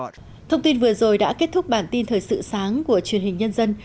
thông tin vừa rồi đã kết thúc bản tin thời sự sáng của truyền hình nhân dân